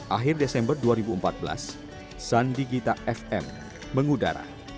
akhir desember dua ribu empat belas sandigita fm mengudara